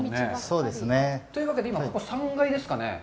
そうですね。というわけで、ここ、３階ですかね。